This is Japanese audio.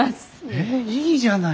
へえいいじゃない！